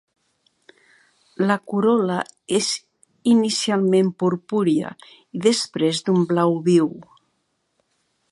La corol·la és inicialment purpúria i després d'un blau viu.